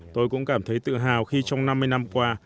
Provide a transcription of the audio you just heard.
tôi cũng cảm thấy tự hào khi trong năm mươi năm qua